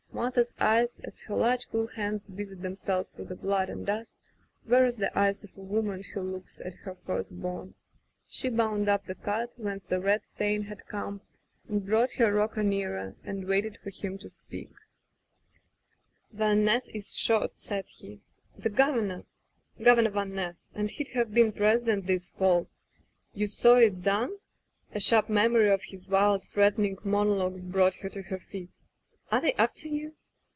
Martha's eyes as her large cool hands busied themselves with the blood and dust, were as the eyes of a woman who looks at her first born. She bound up the cut whence the red stain had come, then brought her rocker nearer and waited for him to speak. [ 212 ] Digitized by LjOOQ IC Martha "Van Ness is shot/* said he. "The Governor!'* "Governor Van Ness — ^and he'd have been President this fall/' "You saw it done. ..." A sharp memory of his wild, threatening monologues brought her to her feet. "Are they after you?''